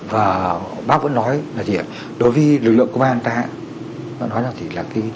và bác vẫn nói là đối với lực lượng công an ta